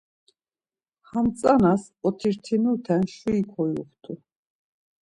Hem tzanas otirtinute şuri kyuxtu.